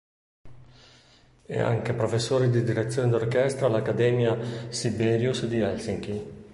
È anche professore di direzione d'orchestra all'Accademia Sibelius di Helsinki.